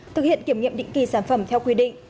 thực hiện kiểm nghiệm định kỳ sản phẩm theo quy định